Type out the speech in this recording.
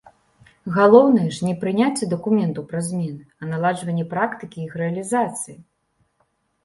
Галоўнае ж не прыняцце дакументаў пра змены, а наладжванне практыкі іх рэалізацыі.